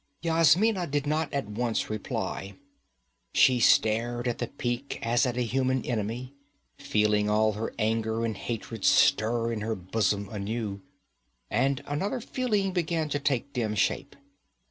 Yasmina did not at once reply. She stared at the peak as at a human enemy, feeling all her anger and hatred stir in her bosom anew. And another feeling began to take dim shape.